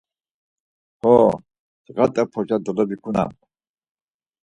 Ho, cğat̆a porça dolovikunam.